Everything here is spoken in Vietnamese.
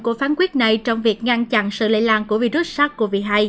của phán quyết này trong việc ngăn chặn sự lây lan của virus sars cov hai